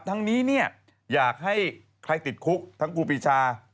ทั้งนี้เนี่ยอยากให้ใครติดคุกทั้งครูปีชา